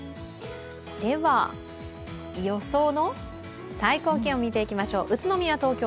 では予想最高気温、見ていきましょう。